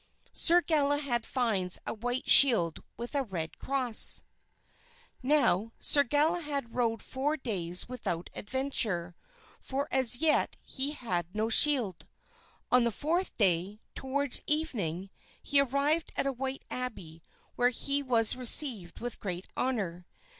Sir Galahad Finds a White Shield With a Red Cross Now Sir Galahad rode four days without adventure, for as yet he had no shield. On the fourth day, toward evening, he arrived at a white abbey where he was received with great honor.